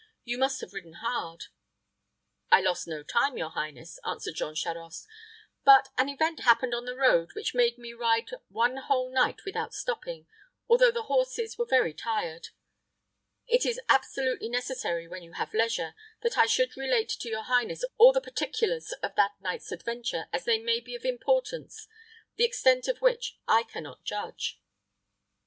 You must have ridden hard." "I lost no time, your highness," answered Jean Charost; "but an event happened on the road which made me ride one whole night without stopping, although the horses were very tired. It is absolutely necessary, when you have leisure, that I should relate to your highness all the particulars of that night's adventure, as they may be of importance, the extent of which I can not judge."